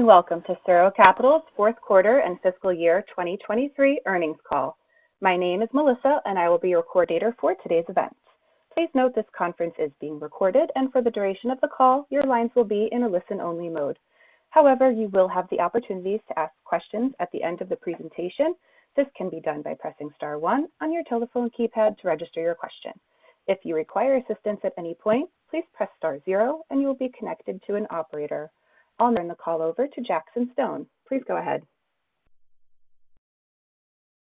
Welcome to SuRo Capital's fourth quarter and fiscal year 2023 earnings call. My name is Melissa, and I will be your coordinator for today's event. Please note this conference is being recorded, and for the duration of the call, your lines will be in a listen-only mode. However, you will have the opportunities to ask questions at the end of the presentation. This can be done by pressing star 1 on your telephone keypad to register your question. If you require assistance at any point, please press star 0, and you will be connected to an operator. I'll now turn the call over to Jackson Stone. Please go ahead.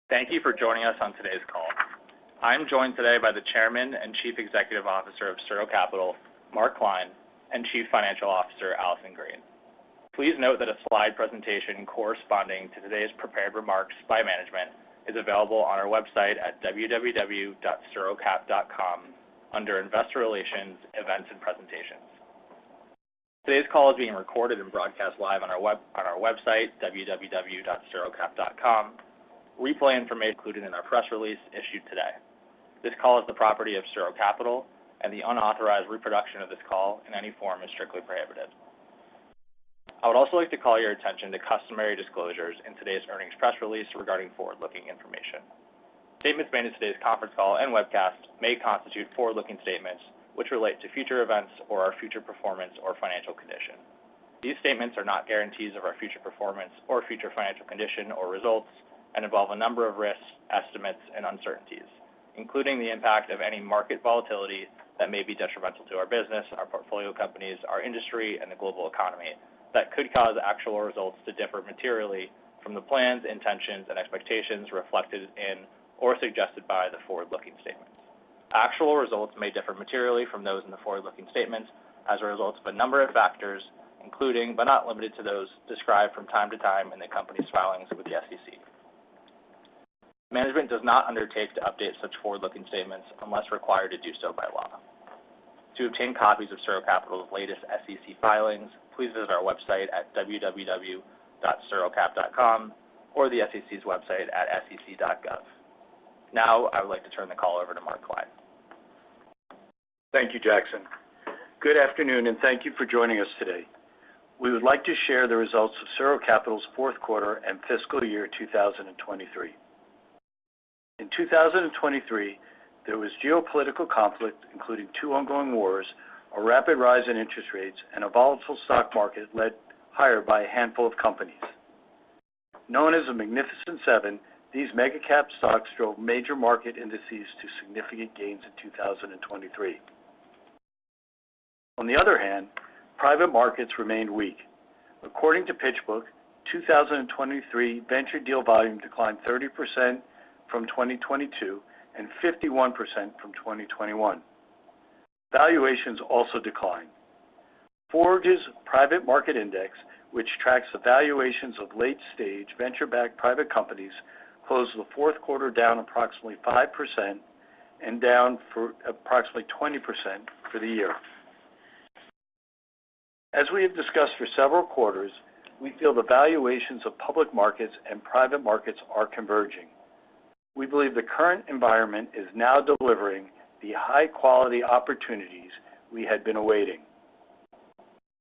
Thank you for joining us on today's call. I'm joined today by the Chairman and Chief Executive Officer of SuRo Capital, Mark Klein, and Chief Financial Officer, Allison Green. Please note that a slide presentation corresponding to today's prepared remarks by management is available on our website at www.surocap.com under Investor Relations, Events, and Presentations. Today's call is being recorded and broadcast live on our website at www.surocap.com. Replay information is included in our press release issued today. This call is the property of SuRo Capital, and the unauthorized reproduction of this call in any form is strictly prohibited. I would also like to call your attention to customary disclosures in today's earnings press release regarding forward-looking information. Statements made in today's conference call and webcast may constitute forward-looking statements which relate to future events or our future performance or financial condition. These statements are not guarantees of our future performance or future financial condition or results and involve a number of risks, estimates, and uncertainties, including the impact of any market volatility that may be detrimental to our business, our portfolio companies, our industry, and the global economy that could cause actual results to differ materially from the plans, intentions, and expectations reflected in or suggested by the forward-looking statements. Actual results may differ materially from those in the forward-looking statements as a result of a number of factors, including but not limited to those described from time to time in the company's filings with the SEC. Management does not undertake to update such forward-looking statements unless required to do so by law. To obtain copies of SuRo Capital's latest SEC filings, please visit our website at www.surocap.com or the SEC's website at sec.gov. Now, I would like to turn the call over to Mark Klein. Thank you, Jackson. Good afternoon, and thank you for joining us today. We would like to share the results of SuRo Capital's fourth quarter and fiscal year 2023. In 2023, there was geopolitical conflict, including two ongoing wars, a rapid rise in interest rates, and a volatile stock market led higher by a handful of companies. Known as a Magnificent Seven, these mega-cap stocks drove major market indices to significant gains in 2023. On the other hand, private markets remained weak. According to PitchBook, 2023 venture deal volume declined 30% from 2022 and 51% from 2021. Valuations also declined. Forbes' Private Market Index, which tracks the valuations of late-stage venture-backed private companies, closed the fourth quarter down approximately 5% and down approximately 20% for the year. As we have discussed for several quarters, we feel the valuations of public markets and private markets are converging. We believe the current environment is now delivering the high-quality opportunities we had been awaiting.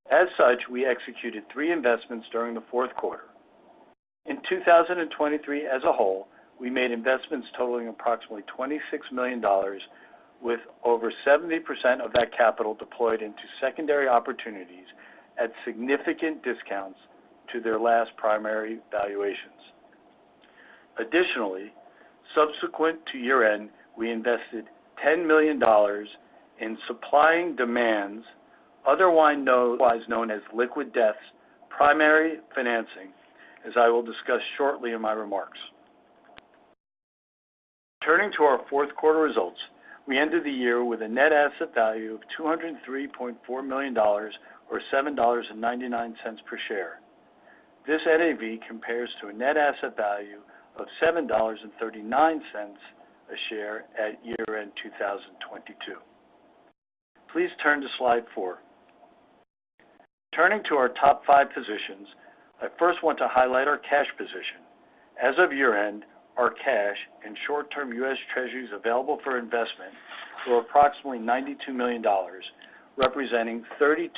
As such, we executed three investments during the fourth quarter. In 2023 as a whole, we made investments totaling approximately $26 million, with over 70% of that capital deployed into secondary opportunities at significant discounts to their last primary valuations. Additionally, subsequent to year-end, we invested $10 million in Supplying Demand, otherwise known as Liquid Death, primary financing, as I will discuss shortly in my remarks. Turning to our fourth quarter results, we ended the year with a net asset value of $203.4 million or $7.99 per share. This NAV compares to a net asset value of $7.39 a share at year-end 2022. Please turn to slide 4. Turning to our top five positions, I first want to highlight our cash position. As of year-end, our cash and short-term U.S. Treasuries available for investment were approximately $92 million, representing 32%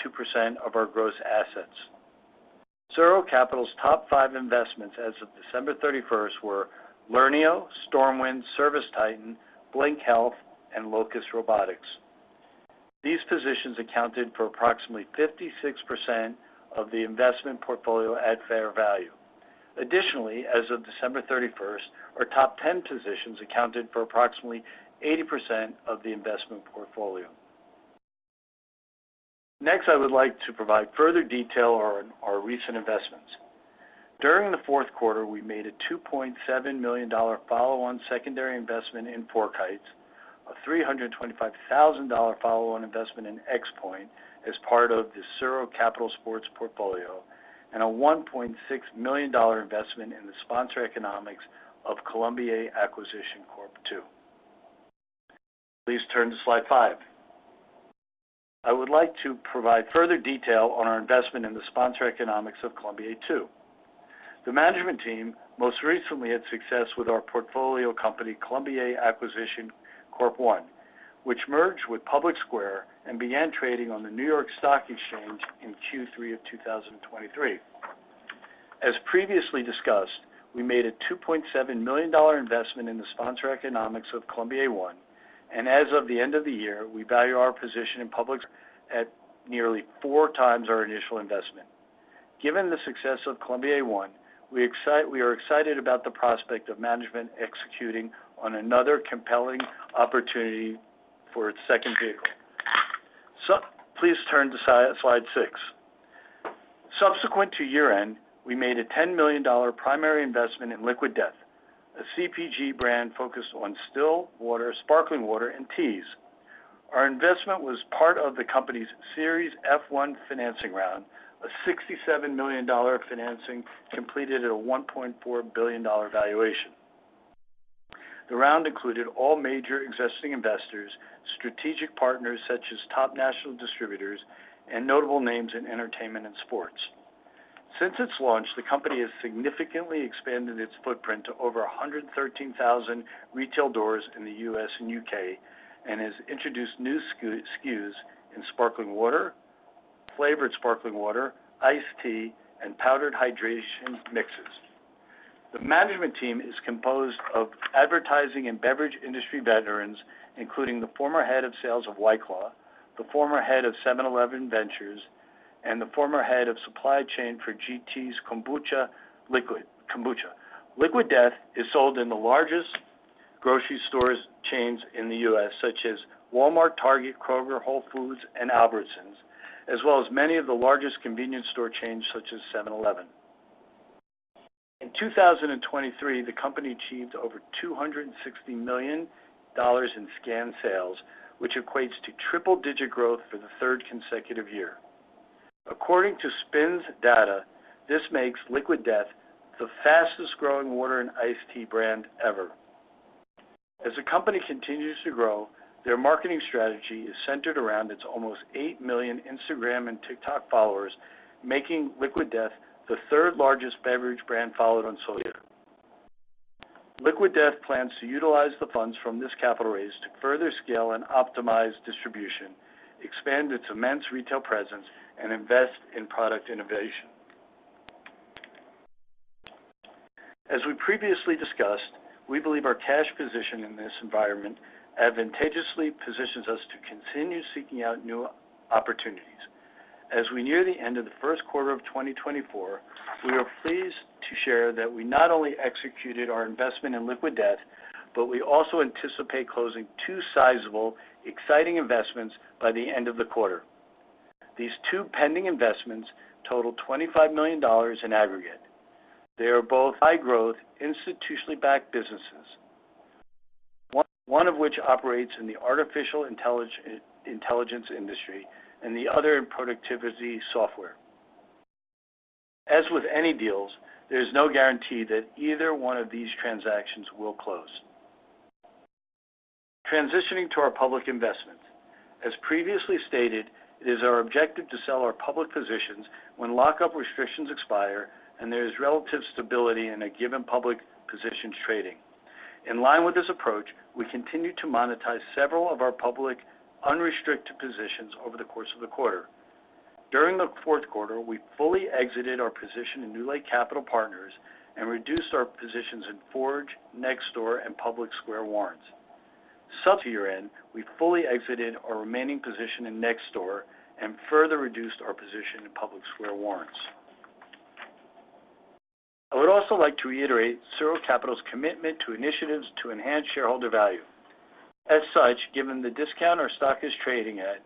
of our gross assets. SuRo Capital's top five investments as of December 31st were Learneo, StormWind, ServiceTitan, Blink Health, and Locus Robotics. These positions accounted for approximately 56% of the investment portfolio at fair value. Additionally, as of December 31st, our top 10 positions accounted for approximately 80% of the investment portfolio. Next, I would like to provide further detail on our recent investments. During the fourth quarter, we made a $2.7 million follow-on secondary investment in FourKites, a $325,000 follow-on investment in Xpoint as part of the SuRo Capital Sports portfolio, and a $1.6 million investment in the sponsor economics of Columbia Acquisition Corp. II. Please turn to slide 5. I would like to provide further detail on our investment in the sponsor economics of Columbia II. The management team most recently had success with our portfolio company, Columbia Acquisition Corp. I, which merged with Public Square and began trading on the New York Stock Exchange in Q3 of 2023. As previously discussed, we made a $2.7 million investment in the sponsor economics of Columbia I, and as of the end of the year, we value our position in Public at nearly four times our initial investment. Given the success of Columbia I, we are excited about the prospect of management executing on another compelling opportunity for its second vehicle. Please turn to slide 6. Subsequent to year-end, we made a $10 million primary investment in Liquid Death, a CPG brand focused on still water, sparkling water, and teas. Our investment was part of the company's Series F1 financing round, a $67 million financing completed at a $1.4 billion valuation. The round included all major existing investors, strategic partners such as top national distributors, and notable names in entertainment and sports. Since its launch, the company has significantly expanded its footprint to over 113,000 retail doors in the U.S. and U.K. and has introduced new SKUs in sparkling water, flavored sparkling water, iced tea, and powdered hydration mixes. The management team is composed of advertising and beverage industry veterans, including the former head of sales of White Claw, the former head of 7-Eleven Ventures, and the former head of supply chain for GT's Kombucha. Liquid Death is sold in the largest grocery store chains in the U.S., such as Walmart, Target, Kroger, Whole Foods, and Albertsons, as well as many of the largest convenience store chains such as 7-Eleven. In 2023, the company achieved over $260 million in scan sales, which equates to triple-digit growth for the third consecutive year. According to SPINS's data, this makes Liquid Death the fastest-growing water and iced tea brand ever. As the company continues to grow, their marketing strategy is centered around its almost eight million Instagram and TikTok followers, making Liquid Death the third-largest beverage brand followed on social media. Liquid Death plans to utilize the funds from this capital raise to further scale and optimize distribution, expand its immense retail presence, and invest in product innovation. As we previously discussed, we believe our cash position in this environment advantageously positions us to continue seeking out new opportunities. As we near the end of the first quarter of 2024, we are pleased to share that we not only executed our investment in Liquid Death, but we also anticipate closing two sizable, exciting investments by the end of the quarter. These two pending investments total $25 million in aggregate. They are both high-growth, institutionally backed businesses, one of which operates in the artificial intelligence industry and the other in productivity software. As with any deals, there is no guarantee that either one of these transactions will close. Transitioning to our public investments. As previously stated, it is our objective to sell our public positions when lockup restrictions expire and there is relative stability in a given public position's trading. In line with this approach, we continue to monetize several of our public, unrestricted positions over the course of the quarter. During the fourth quarter, we fully exited our position in NewLake Capital Partners and reduced our positions in Forge, Nextdoor, and Public Square Warrants. Subsequent to year-end, we fully exited our remaining position in Nextdoor and further reduced our position in Public Square Warrants. I would also like to reiterate SuRo Capital's commitment to initiatives to enhance shareholder value. As such, given the discount our stock is trading at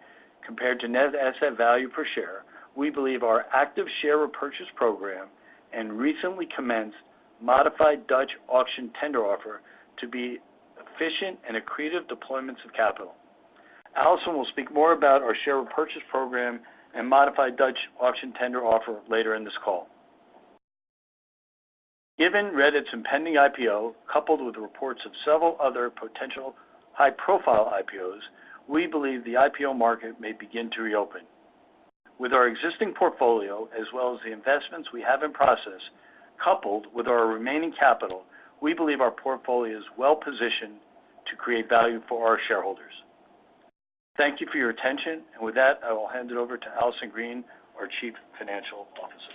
compared to net asset value per share, we believe our active share repurchase program and recently commenced Modified Dutch Auction Tender Offer to be efficient and accretive deployments of capital. Allison will speak more about our share repurchase program and Modified Dutch Auction Tender Offer later in this call. Given Reddit's impending IPO coupled with reports of several other potential high-profile IPOs, we believe the IPO market may begin to reopen. With our existing portfolio as well as the investments we have in process coupled with our remaining capital, we believe our portfolio is well-positioned to create value for our shareholders. Thank you for your attention, and with that, I will hand it over to Allison Green, our Chief Financial Officer.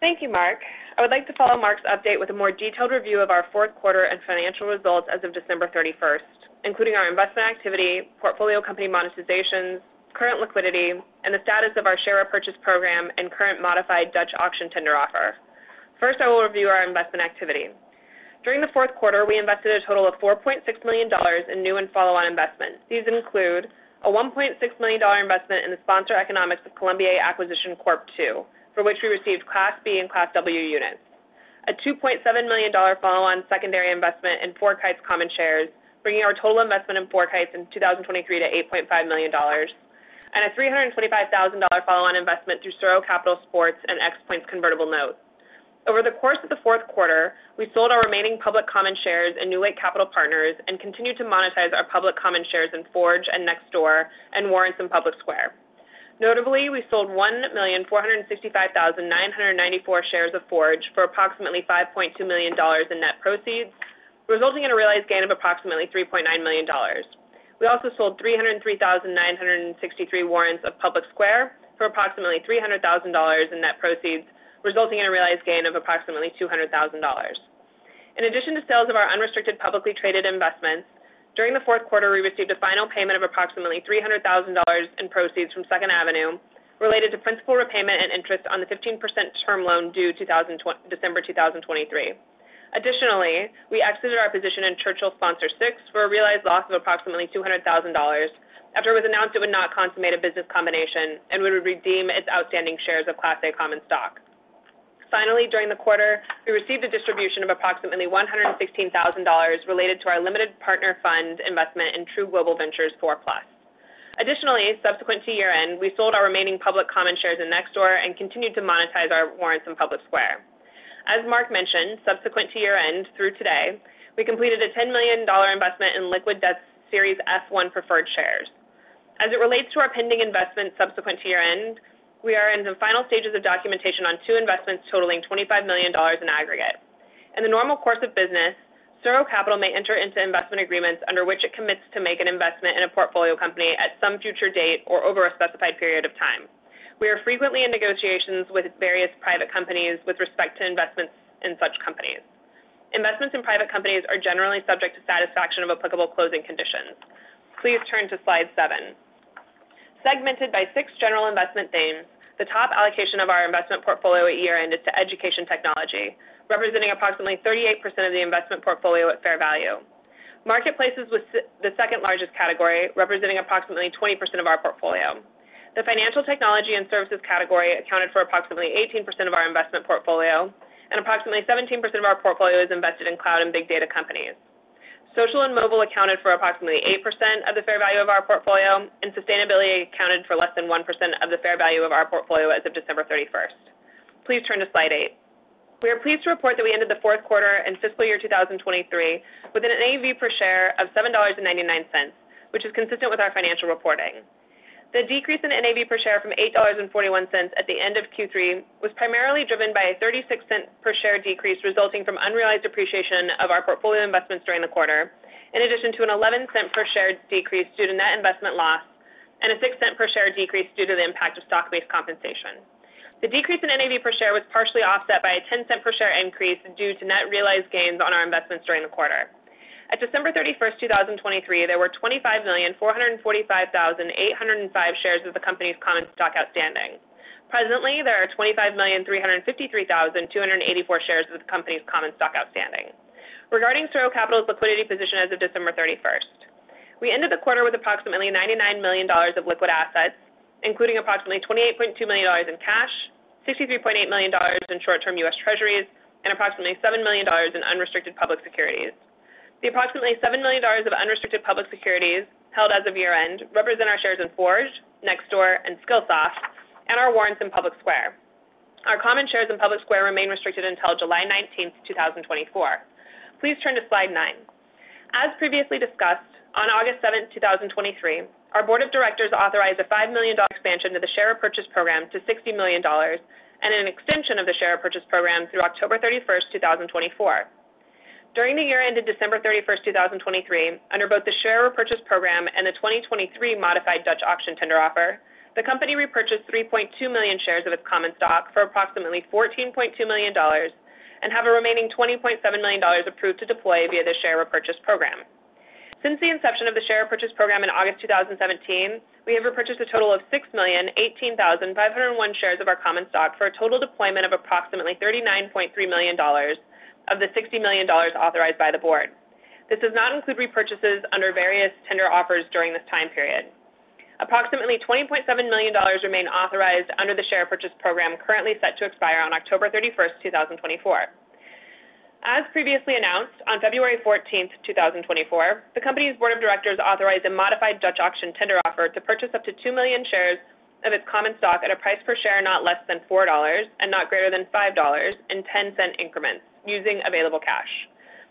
Thank you, Mark. I would like to follow Mark's update with a more detailed review of our fourth quarter and financial results as of December 31st, including our investment activity, portfolio company monetizations, current liquidity, and the status of our share repurchase program and current Modified Dutch Auction Tender Offer. First, I will review our investment activity. During the fourth quarter, we invested a total of $4.6 million in new and follow-on investments. These include a $1.6 million investment in the sponsor economics of Columbia Acquisition Corp. II, for which we received Class B and Class W units, a $2.7 million follow-on secondary investment in FourKites Common Shares, bringing our total investment in FourKites in 2023 to $8.5 million, and a $325,000 follow-on investment through SuRo Capital Sports in Xpoint Convertible Notes. Over the course of the fourth quarter, we sold our remaining public common shares in NewLake Capital Partners and continued to monetize our public common shares in Forge and Nextdoor and warrants in Public Square. Notably, we sold 1,465,994 shares of Forge for approximately $5.2 million in net proceeds, resulting in a realized gain of approximately $3.9 million. We also sold 303,963 warrants of Public Square for approximately $300,000 in net proceeds, resulting in a realized gain of approximately $200,000. In addition to sales of our unrestricted publicly traded investments, during the fourth quarter, we received a final payment of approximately $300,000 in proceeds from Second Avenue related to principal repayment and interest on the 15% term loan due December 2023. Additionally, we exited our position in Churchill Capital Corp. VI for a realized loss of approximately $200,000 after it was announced it would not consummate a business combination and would redeem its outstanding shares of Class A Common Stock. Finally, during the quarter, we received a distribution of approximately $116,000 related to our limited partner fund investment in True Global Ventures 4 Plus. Additionally, subsequent to year-end, we sold our remaining public common shares in Nextdoor and continued to monetize our warrants in Public Square. As Mark mentioned, subsequent to year-end through today, we completed a $10 million investment in Liquid Death Series F1 preferred shares. As it relates to our pending investments subsequent to year-end, we are in the final stages of documentation on two investments totaling $25 million in aggregate. In the normal course of business, SuRo Capital may enter into investment agreements under which it commits to make an investment in a portfolio company at some future date or over a specified period of time. We are frequently in negotiations with various private companies with respect to investments in such companies. Investments in private companies are generally subject to satisfaction of applicable closing conditions. Please turn to slide 7. Segmented by six general investment themes, the top allocation of our investment portfolio at year-end is to education technology, representing approximately 38% of the investment portfolio at fair value. Marketplaces was the second largest category, representing approximately 20% of our portfolio. The financial technology and services category accounted for approximately 18% of our investment portfolio, and approximately 17% of our portfolio is invested in cloud and big data companies. Social and mobile accounted for approximately 8% of the fair value of our portfolio, and sustainability accounted for less than 1% of the fair value of our portfolio as of December 31st. Please turn to slide 8. We are pleased to report that we ended the fourth quarter and fiscal year 2023 with an NAV per share of $7.99, which is consistent with our financial reporting. The decrease in NAV per share from $8.41 at the end of Q3 was primarily driven by a $0.36 per share decrease resulting from unrealized appreciation of our portfolio investments during the quarter, in addition to an $0.11 per share decrease due to net investment loss and a $0.06 per share decrease due to the impact of stock-based compensation. The decrease in NAV per share was partially offset by a $0.10 per share increase due to net realized gains on our investments during the quarter. At December 31st, 2023, there were 25,445,805 shares of the company's common stock outstanding. Presently, there are 25,353,284 shares of the company's common stock outstanding. Regarding SuRo Capital's liquidity position as of December 31st, we ended the quarter with approximately $99 million of liquid assets, including approximately $28.2 million in cash, $63.8 million in short-term U.S. Treasuries, and approximately $7 million in unrestricted public securities. The approximately $7 million of unrestricted public securities held as of year-end represent our shares in Forge, Nextdoor, and Skillsoft, and our warrants in PublicSq. Our common shares in PublicSq remain restricted until July 19th, 2024. Please turn to slide 9. As previously discussed, on August 7th, 2023, our board of directors authorized a $5 million expansion to the share repurchase program to $60 million and an extension of the share repurchase program through October 31st, 2024. During the year-end of December 31st, 2023, under both the share repurchase program and the 2023 Modified Dutch Auction Tender Offer, the company repurchased 3.2 million shares of its common stock for approximately $14.2 million and has a remaining $20.7 million approved to deploy via the share repurchase program. Since the inception of the share repurchase program in August 2017, we have repurchased a total of 6,018,501 shares of our common stock for a total deployment of approximately $39.3 million of the $60 million authorized by the board. This does not include repurchases under various tender offers during this time period. Approximately $20.7 million remain authorized under the share repurchase program currently set to expire on October 31st, 2024. As previously announced, on February 14th, 2024, the company's board of directors authorized a Modified Dutch Auction Tender Offer to purchase up to 2 million shares of its common stock at a price per share not less than $4 and not greater than $5 in $0.10 increments using available cash.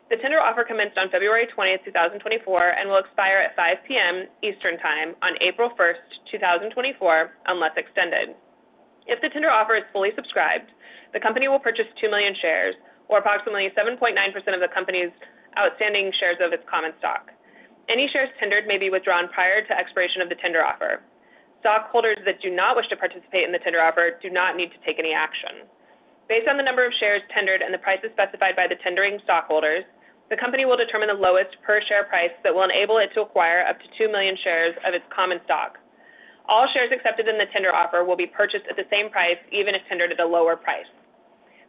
The tender offer commenced on February 20th, 2024, and will expire at 5:00 P.M. Eastern Time on April 1st, 2024, unless extended. If the tender offer is fully subscribed, the company will purchase 2 million shares or approximately 7.9% of the company's outstanding shares of its common stock. Any shares tendered may be withdrawn prior to expiration of the tender offer. Stockholders that do not wish to participate in the tender offer do not need to take any action. Based on the number of shares tendered and the prices specified by the tendering stockholders, the company will determine the lowest per share price that will enable it to acquire up to 2 million shares of its common stock. All shares accepted in the tender offer will be purchased at the same price even if tendered at a lower price.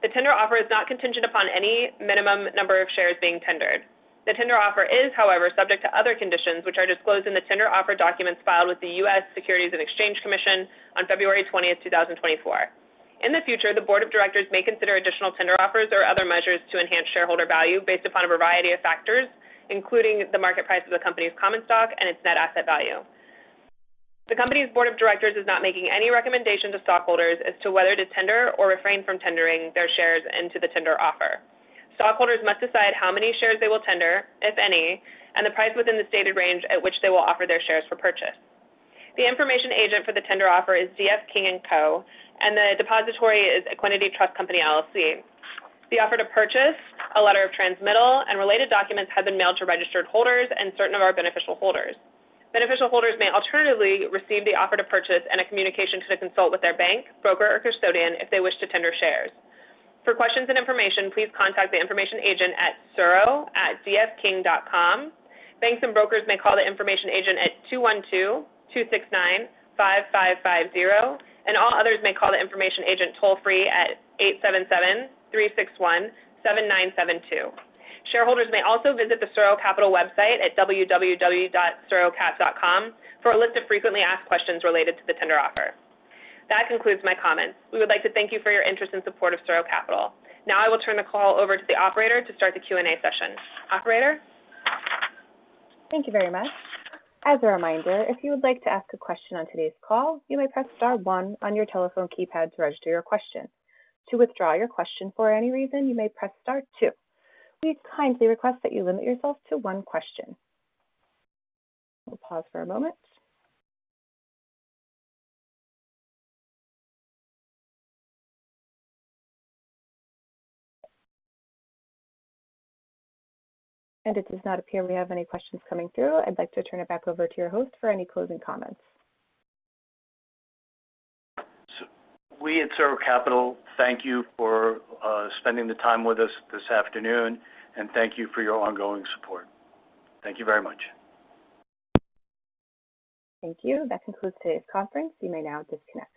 The tender offer is not contingent upon any minimum number of shares being tendered. The tender offer is, however, subject to other conditions which are disclosed in the tender offer documents filed with the U.S. Securities and Exchange Commission on February 20th, 2024. In the future, the board of directors may consider additional tender offers or other measures to enhance shareholder value based upon a variety of factors, including the market price of the company's common stock and its net asset value. The company's board of directors is not making any recommendation to stockholders as to whether to tender or refrain from tendering their shares into the tender offer. Stockholders must decide how many shares they will tender, if any, and the price within the stated range at which they will offer their shares for purchase. The information agent for the tender offer is D.F. King & Co., and the depository is Equiniti Trust Company LLC. The offer to purchase, a letter of transmittal, and related documents have been mailed to registered holders and certain of our beneficial holders. Beneficial holders may alternatively receive the offer to purchase and a communication to consult with their bank, broker, or custodian if they wish to tender shares. For questions and information, please contact the information agent at suro@dfking.com. Banks and brokers may call the information agent at 212-269-5550, and all others may call the information agent toll-free at 877-361-7972. Shareholders may also visit the SuRo Capital website at www.surocap.com for a list of frequently asked questions related to the tender offer. That concludes my comments. We would like to thank you for your interest and support of SuRo Capital. Now I will turn the call over to the operator to start the Q&A session. Operator? Thank you very much. As a reminder, if you would like to ask a question on today's call, you may press star one on your telephone keypad to register your question. To withdraw your question for any reason, you may press star two. We kindly request that you limit yourself to one question. We'll pause for a moment. It does not appear we have any questions coming through. I'd like to turn it back over to your host for any closing comments. We at SuRo Capital thank you for spending the time with us this afternoon, and thank you for your ongoing support. Thank you very much. Thank you. That concludes today's conference. You may now disconnect.